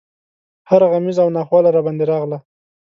هره غمیزه او ناخواله راباندې راغله.